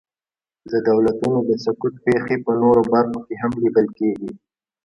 د دولتونو د سقوط پېښې په نورو برخو کې هم لیدل کېږي.